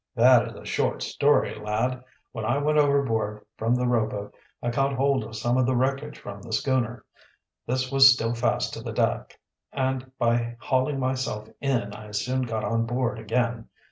"That is a short story, lad. When I went overboard from the rowboat, I caught hold of some of the wreckage from the schooner. This was still fast to the deck, and by hauling myself in I soon got on board again.